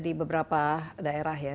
di beberapa daerah ya